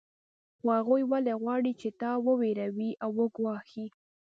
خو هغوی ولې غواړي چې تا وویروي او وګواښي